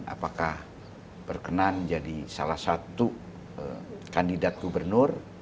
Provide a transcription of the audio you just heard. apakah berkenan jadi salah satu kandidat gubernur